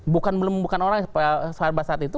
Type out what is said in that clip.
bukan orang soal bahasa itu